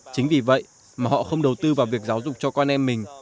chính vì vậy mà họ không đầu tư vào việc giáo dục cho con em mình